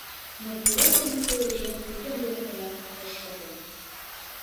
Но пилоткын историйже тидын дене гына ыш пыте.